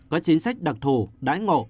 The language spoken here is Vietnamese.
có chính sách đặc thù đái ngộ